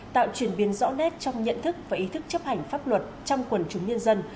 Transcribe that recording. tạo chuyển biến rõ nét trong nhận thức và ý thức chấp hành pháp luật trong quần chúng nhân dân